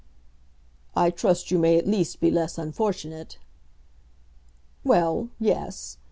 "I trust you may at least be less unfortunate." "Well; yes.